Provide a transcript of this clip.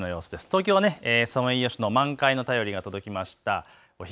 東京はソメイヨシノ、満開の便りが届きました。